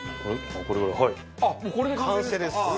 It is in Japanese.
もうこれで完成ですか？